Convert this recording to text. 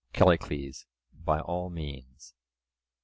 CALLICLES: By all means.